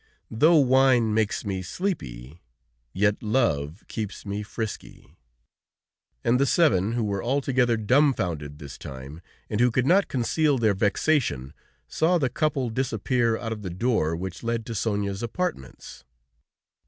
Though wine makes me sleepy, Yet love keeps me frisky." And the seven, who were altogether dumbfounded this time, and who could not conceal their vexation, saw the couple disappear out of the door which led to Sonia's apartments.